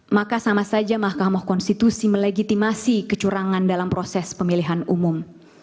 maka sama saja mahkamah konstitusi melegitimasi kecurangan dalam proses pemilihan umum